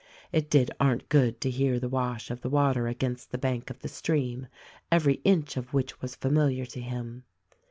It did Arndt good to hear the wash of the water against the bank of the stream, every inch of which was familiar to him.